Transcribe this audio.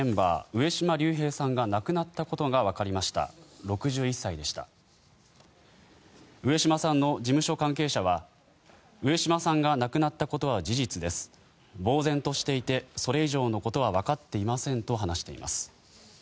上島さんの事務所関係者は上島さんが亡くなったことは事実ですぼうぜんとしていてそれ以上のことはわかっていませんと話しています。